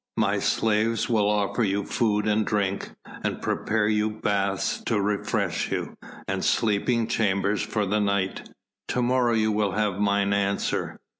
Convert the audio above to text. My slaves will offer you food and drink, and prepare you baths to refresh you, and sleeping chambers for the night. To morrow you will have mine answer.